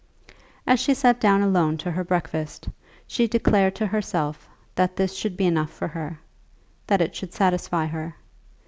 As she sat down alone to her breakfast, she declared to herself that this should be enough for her, that it should satisfy her.